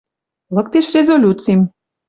Лыктеш резолюцим: